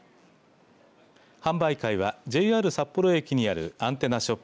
販売会はＪＲ札幌駅にあるアンテナショップ